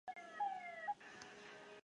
之后辖境屡有变迁。